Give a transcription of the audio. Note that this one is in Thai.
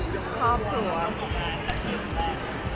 ที่ยกข้อมูลของนายเป็นครั้งแรก